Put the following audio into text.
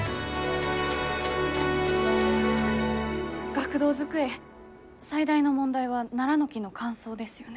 学童机最大の問題はナラの木の乾燥ですよね？